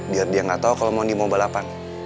biar dia nggak tau kalau mondi mau balapan